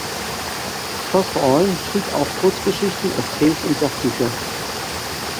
Southall schrieb auch Kurzgeschichten, Essays und Sachbücher.